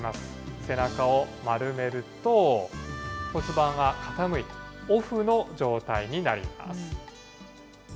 背中を丸めると、骨盤が傾いたオフの状態になります。